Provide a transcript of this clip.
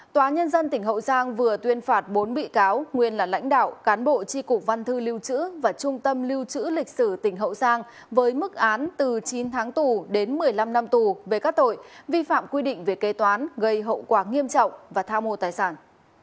tòa nhân dân tỉnh hậu giang vừa tuyên phạt bốn bị cáo nguyên là lãnh đạo cán bộ tri cục văn thư lưu trữ và trung tâm lưu trữ lịch sử tỉnh hậu giang với mức án từ chín tháng tù đến một mươi năm năm tù về các tội vi phạm quy định về kế toán gây hậu quả nghiêm trọng và tha mô tài sản